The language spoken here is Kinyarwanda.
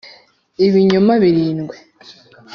ibinyoma birindwe.